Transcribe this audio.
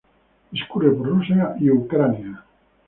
Discurre por Rusia y Ucrania.